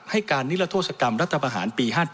ให้การนิรัตโศกรรมรัฐบาหารปี๕๗